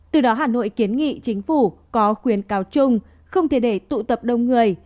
từ đó hà nội kiến nghị chính phủ có khuyến cáo chung không thể để tụ tập đông người